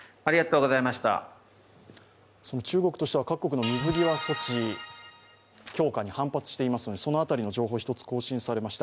中国としては各国の水際措置に反対していますがその辺りの情報が１つ更新されました。